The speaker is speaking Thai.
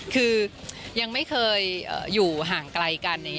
คือยังไม่เคยอยู่ห่างไกลกัน